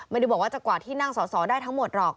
ไม่ได้บอกว่าจะกวาดที่นั่งสอสอได้ทั้งหมดหรอก